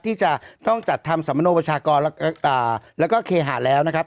ที่จะต้องจัดทำสมโนประชากรและเกฮะแล้วนะครับ